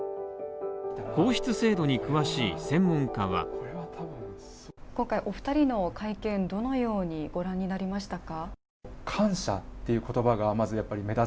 皇室制度に詳しい専門家は今回、お二人の会見、どのように御覧になりましたか？